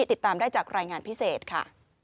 ติดตามได้จากรายงานพิเศษค่ะ